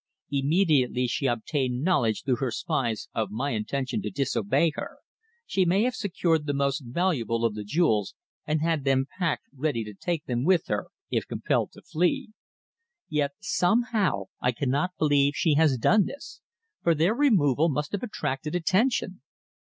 "Immediately she obtained knowledge through her spies of my intention to disobey her, she may have secured the most valuable of the jewels and had them packed ready to take them with her if compelled to flee. Yet somehow I cannot believe she has done this, for their removal must have attracted attention.